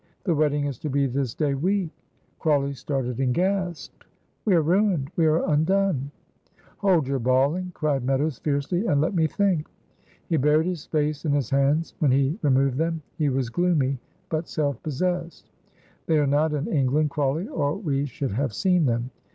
The wedding is to be this day week!" Crawley started and gasped, "We are ruined, we are undone!" "Hold your bawling," cried Meadows, fiercely, "and let me think." He buried his face in his hands; when he removed them, he was gloomy but self possessed. "They are not in England, Crawley, or we should have seen them.